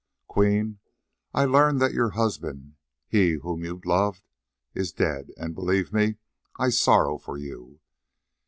Queen, I learn that your husband, he whom you loved, is dead, and believe me, I sorrow for you.